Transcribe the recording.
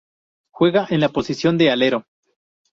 Juega en la posición de alero.